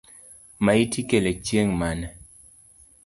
Maiti ikelo chieng’ mane?